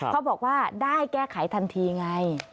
เขาบอกว่าได้แก้ไขทันทีไง